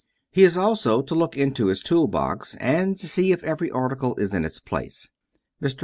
He is also to look into his tool box, and see if every article is in its place. Mr.